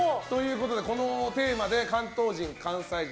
このテーマで関東人関西人